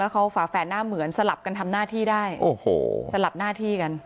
เขาฝาแฝดหน้าเหมือนสลับกันทำหน้าที่ได้โอ้โหสลับหน้าที่กัน